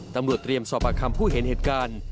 ตำรวจเตรียมสอบปากคำผู้เห็นเหตุการณ์